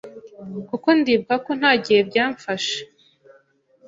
kuko ndibuka ko nta gihe byamfashe,